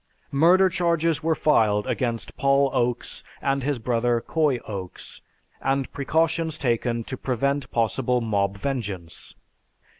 Murder charges were filed against Paul Oaks and his brother, Coy Oaks, and precautions taken to prevent possible mob vengeance.